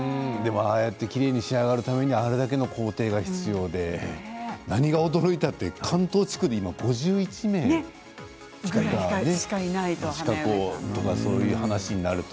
ああやってきれいに仕上げるためにはあれだけの工程が必要で何が驚いたって関東地区で５１人しか資格とかそういう話になると。